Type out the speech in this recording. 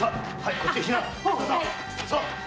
こっちへ避難を！